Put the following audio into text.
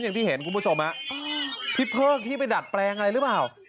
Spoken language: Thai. อย่างที่เห็นคุณผู้ชมฮะพี่เพิกพี่ไปดัดแปลงอะไรหรือเปล่า